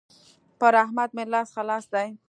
پر احمد مې لاس خلاص دی.